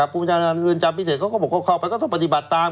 พุทธเงินจำพิเศษก็บอกว่าเข้าไปต้องปฏิบัติตาม